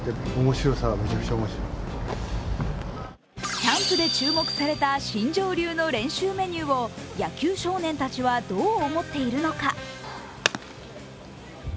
キャンプで注目された新庄流の練習メニューを野球少年たちはどう思っているのか？